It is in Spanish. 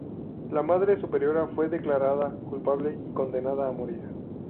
La madre superiora fue declarada culpable y condenada a morir.